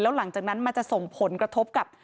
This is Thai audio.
หลังจากนั้นมันจะส่งผลกระทบกับ